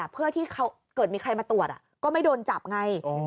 เพื่อที่เกิดมีใครมาตรวจก็ไม่โดนจับไง